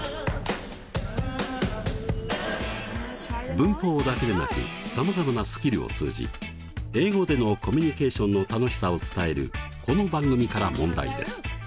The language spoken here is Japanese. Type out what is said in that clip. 文法だけでなくさまざまなスキルを通じ英語でのコミュニケーションの楽しさを伝えるこの番組から問題です。